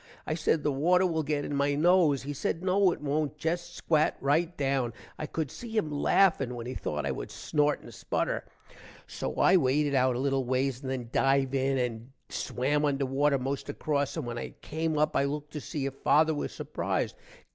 i said the water will get in my nose. he said no it wont jest squat rite down. i cood see him laffin when he thought i wood snort and sputter. so i waded out a little ways and then div in and swam under water most across, and when i came up i looked to see if father was surprised.